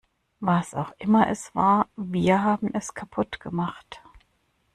Was auch immer es war, wir haben es kaputt gemacht.